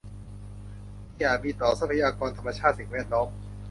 ที่อาจมีต่อทรัพยากรธรรมชาติสิ่งแวดล้อม